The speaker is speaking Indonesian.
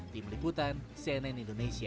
tim liputan cnn indonesia